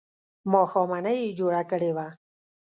ماښامنۍ یې جوړه کړې وه.